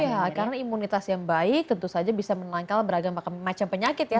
iya karena imunitas yang baik tentu saja bisa menangkal beragam macam penyakit ya